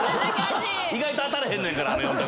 意外と当たれへんねん。